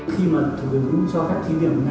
khi cho khách thí điểm này